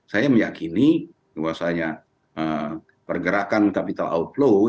saya meyakini bahwasannya pergerakan capital outflow